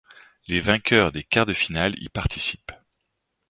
Les vainqueurs des quarts de finale y participent.